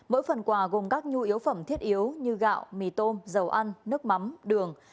mỗi phần quà gồm các nhu yếu phẩm thiết yếu như gạo mì tôm dầu ăn nước mắm đường